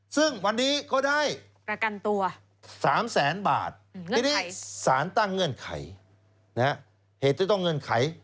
ซึ่งวันนี้เขาได้๓แสนบาทนี่สารตั้งเงื่อนไขเหตุต้องเงื่อนไข